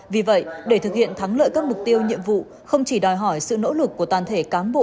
vì vậy để thực hiện thắng lợi các mục tiêu nhiệm vụ không chỉ đòi hỏi sự nỗ lực của toàn thể cán bộ